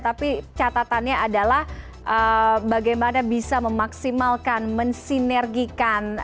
tapi catatannya adalah bagaimana bisa memaksimalkan mensinergikan